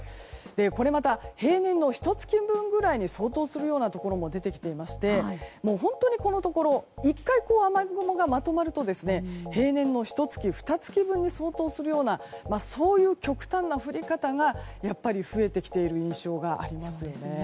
これまで平年の１月分に相当するところも出てましてこのところ１回雨雲がまとまると平年のひと月、ふた月分に相当するようなそういう極端な降り方が増えてきている印象があります。